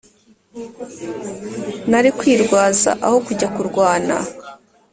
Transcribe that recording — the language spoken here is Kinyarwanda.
Nari kwirwaza aho kujya kurwana